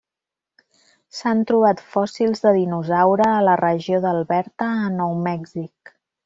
S'han trobat fòssils de dinosaure a la regió d'Alberta a Nou Mèxic.